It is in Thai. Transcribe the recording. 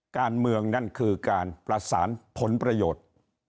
การเมืองนั่นคือการประสานผลประโยชน์